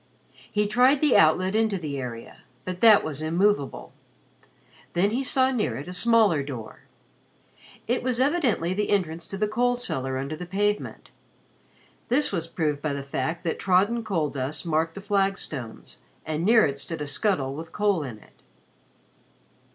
He tried the outlet into the area, but that was immovable. Then he saw near it a smaller door. It was evidently the entrance to the coal cellar under the pavement. This was proved by the fact that trodden coal dust marked the flagstones, and near it stood a scuttle with coal in it.